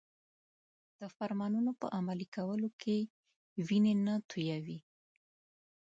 د فرمانونو په عملي کولو کې وینې نه تویوي.